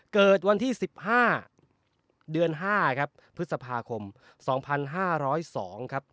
เกิดวันที่๑๕เดือน๕ครับพฤษภาคม๒๕๐๒ครับ